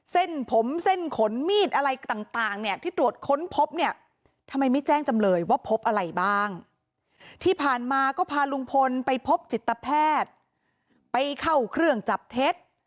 เส้นผมเส้นขนมีดอะไรต่างเนี่ยที่ตรวจค้นพบเนี่ยทำไมไม่แจ้งจำเลยว่าพบอะไรบ้างที่ผ่านมาก็พาลุงพลไปพบจิตแพทย์ไปเข้าเครื่องจับเท็จ